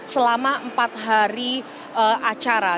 selama empat hari acara